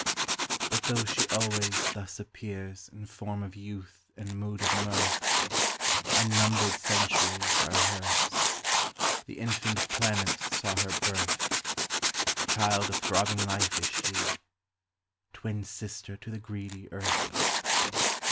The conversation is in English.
But though she always thus appears In form of youth and mood of mirth, Unnumbered centuries are hers, The infant planets saw her birth; The child of throbbing Life is she, Twin sister to the greedy earth.